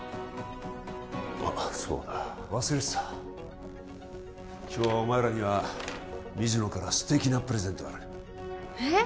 あっそうだ忘れてた今日はお前らには水野から素敵なプレゼントがあるえっ！？